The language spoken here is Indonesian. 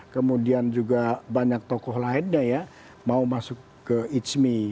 kemudian juga banyak tokoh lainnya ya mau masuk ke icmi